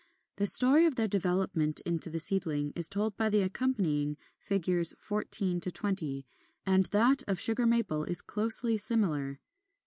The story of their development into the seedling is told by the accompanying Fig. 14 20; and that of Sugar Maple is closely similar.